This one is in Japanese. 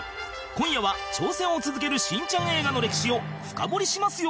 今夜は挑戦を続ける『しんちゃん』映画の歴史を深掘りしますよ！